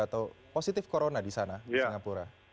atau positif corona di sana di singapura